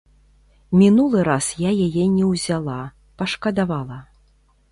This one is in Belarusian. Мінулы раз я яе не ўзяла, пашкадавала.